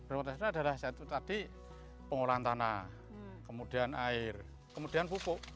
prioritasnya adalah satu tadi pengolahan tanah kemudian air kemudian pupuk